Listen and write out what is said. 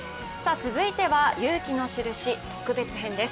続いては「勇気のシルシ」特別編です。